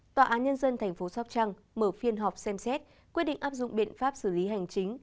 tòa án nhân dân tp sóc trăng mở phiên họp xem xét quyết định áp dụng biện pháp xử lý hành chính